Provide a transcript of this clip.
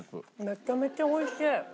めちゃめちゃ美味しい。